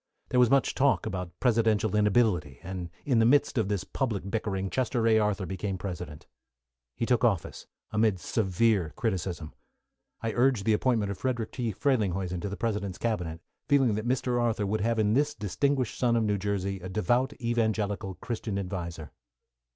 There was much talk about presidential inability, and in the midst of this public bickering Chester A. Arthur became president. He took office, amid severe criticism. I urged the appointment of Frederick T. Frelinghuysen to the President's Cabinet, feeling that. Mr. Arthur would have in this distinguished son of New Jersey, a devout, evangelical, Christian adviser.